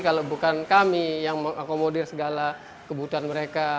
kalau bukan kami yang mengakomodir segala kebutuhan mereka